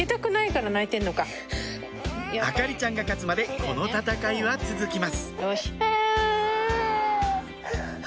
燈里ちゃんが勝つまでこの戦いは続きます